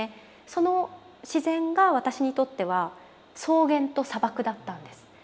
その自然が私にとっては草原と砂漠だったんです。